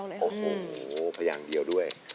โอ้โหพยางเดียวด้วย